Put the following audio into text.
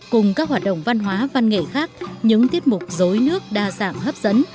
cùng các hoạt động văn hóa văn nghệ khác những tiết mục dối nước đa dạng hấp dẫn